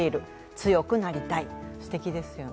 強くなりたい、すてきですよね。